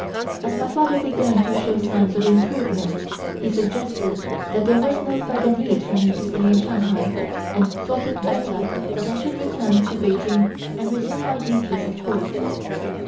As my father began to show signs of improvement he suggested that there was no further need for me to stay in Shanghai, and thought it better that I should return to Peking and resume my duties at Court.